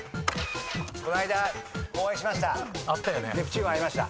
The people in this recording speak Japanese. この間お会いしました。